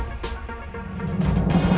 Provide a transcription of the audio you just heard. ya ampun emang